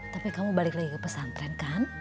tapi kamu balik lagi ke pesantren kan